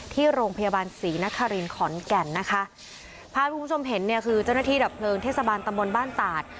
ที่โรงพยาบาลศรีนครินขอนแก่นนะคะภาพที่คุณผู้ชมเห็นเนี่ยคือเจ้าหน้าที่ดับเพลิงเทศบาลตำบลบ้านตาด